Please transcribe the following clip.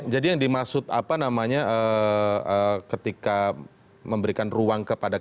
jadi yang dimaksud apa namanya ketika memberikan ruang kepada kpk